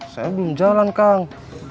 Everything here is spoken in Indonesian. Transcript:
saya belum jalan kang